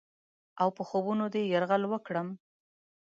اوپه خوبونو دې یرغل وکړم؟